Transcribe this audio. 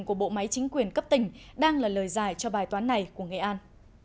của bộ máy chính quyền cấp tỉnh đang là lời giải cho bài toán này của nghệ an